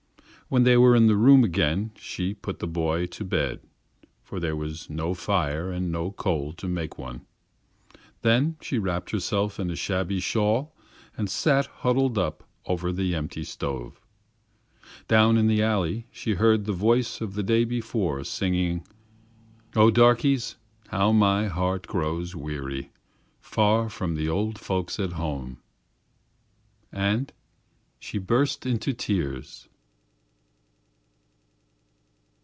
When they were in their room again she put the boy to bed, for there was no fire and no coal to make one. Then she wrapped herself in a shabby shawl and sat huddled up over the empty stove. Down in the alley she heard the voice of the day before singing: "Oh, darkies, how my heart grows weary, Far from the old folks at home." And she burst into tears.